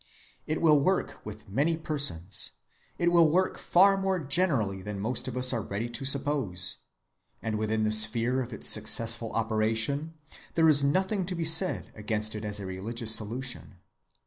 It will work with many persons; it will work far more generally than most of us are ready to suppose; and within the sphere of its successful operation there is nothing to be said against it as a religious solution.